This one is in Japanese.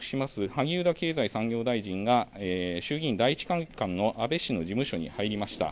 萩生田経済産業大臣が衆議院第１会館の安倍氏の事務所に入りました。